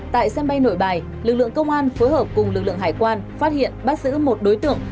tại sân bay nội bài lực lượng công an phối hợp cùng lực lượng hải quan phát hiện bắt giữ một đối tượng